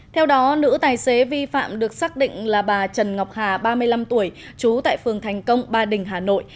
theo đó nữ tài xế vi phạm được xác định là bà trần ngọc hà ba mươi năm tuổi trú tại phường thành công ba đình hà nội